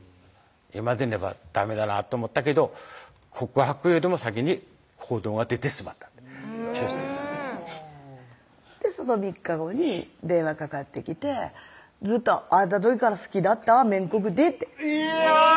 今でねばダメだなと思ったけど告白よりも先に行動が出てしまったチューしてその３日後に電話かかってきて「ずっと会った時から好きだっためんこくて」っていや！